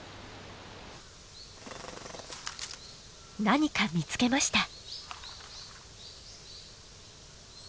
何か見つけました！